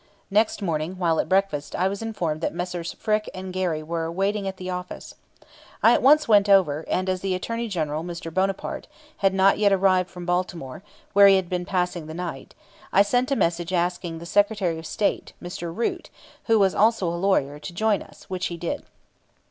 Next morning, while at breakfast, I was informed that Messrs. Frick and Gary were waiting at the office. I at once went over, and, as the Attorney General, Mr. Bonaparte, had not yet arrived from Baltimore, where he had been passing the night, I sent a message asking the Secretary of State, Mr. Root, who was also a lawyer, to join us, which he did.